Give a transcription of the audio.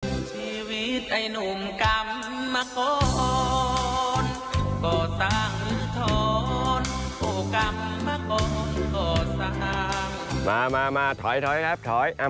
ชีวิตไอ้หนุ่มกรรมโมโกรธก็สร้างโทรโอ้กรรมโมโกรธก็สร้าง